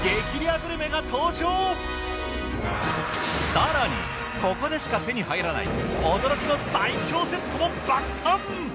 更にここでしか手に入らない驚きの最強セットも爆誕！